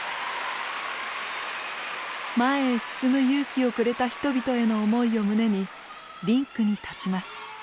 前へ進む勇気をくれた人々への思いを胸にリンクに立ちます。